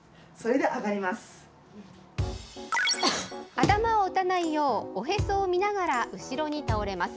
頭を打たないよう、おへそを見ながら後ろに倒れます。